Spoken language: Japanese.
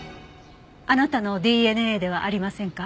あなたのＤＮＡではありませんか？